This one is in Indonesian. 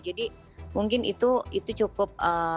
jadi mungkin itu cukup